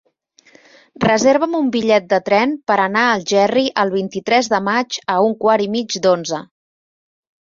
Reserva'm un bitllet de tren per anar a Algerri el vint-i-tres de maig a un quart i mig d'onze.